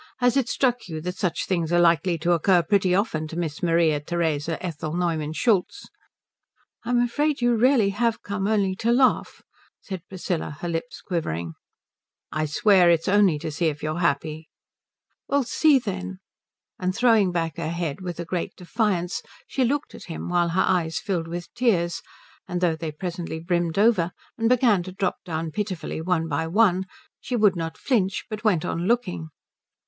Has it struck you that such things are likely to occur pretty often to Miss Maria Theresa Ethel Neumann Schultz?" "I'm afraid you really have come only to laugh," said Priscilla, her lips quivering. "I swear it's only to see if you are happy." "Well, see then." And throwing back her head with a great defiance she looked at him while her eyes filled with tears; and though they presently brimmed over, and began to drop down pitifully one by one, she would not flinch but went on looking.